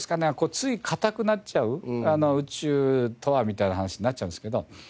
つい堅くなっちゃう宇宙とはみたいな話になっちゃうんですけど。